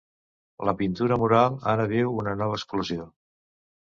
La pintura mural ara viu una nova explosió.